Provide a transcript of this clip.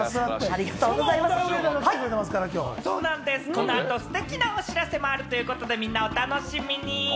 このあとステキなお知らせもあるということで、みんなお楽しみに！